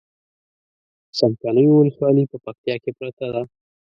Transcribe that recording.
څمکنيو ولسوالي په پکتيا کې پرته ده